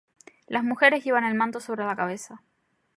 Las mujeres llevan el manto sobre la cabeza.